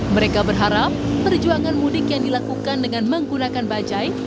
mereka berharap perjuangan mudik yang dilakukan dengan menggunakan bajai